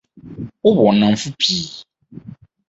Wowɔ nnamfo pii?